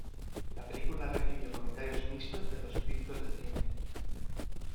La película recibió comentarios mixtos de los críticos de cine.